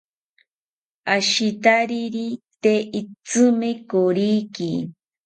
Ashitariri tee itrsimi koriki